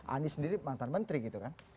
anies sendiri mantan menteri gitu kan